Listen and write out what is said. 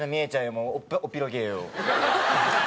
もうおっぴろげよ。